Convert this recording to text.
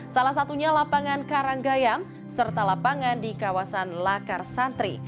salah satunya lapangan karanggayam serta lapangan di kawasan lakar santri